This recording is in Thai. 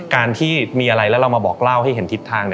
การที่มีอะไรแล้วเรามาบอกเล่าให้เห็นทิศทาง